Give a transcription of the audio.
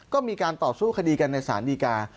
ก็มีการต่อสู้คดีกันในศาลดีกา